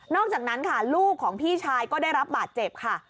อกจากนั้นค่ะลูกของพี่ชายก็ได้รับบาดเจ็บค่ะ